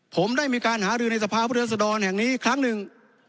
ผมได้มีการหารือในสภาพุทธศดรแห่งนี้ครั้งหนึ่ง